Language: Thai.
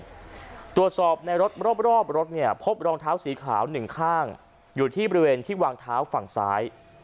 ตรวจสอบในรถรอบรถเนี่ยพบรองเท้าสีขาวหนึ่งข้างอยู่ที่บริเวณที่วางเท้าฝั่งซ้าย